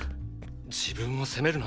自分を責めるな。